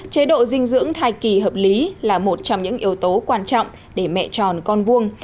chế độ dinh dưỡng thai kỳ hợp lý là một trong những yếu tố quan trọng để mẹ tròn con vuông